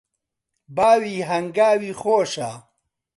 باوی هەنگاوی خۆشە